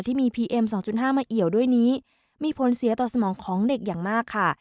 ที่มีพีเอ็มสองจุดห้ามาเอี่ยวด้วยนี้มีผลเสียต่อสมองของเด็กอย่างมากค่ะ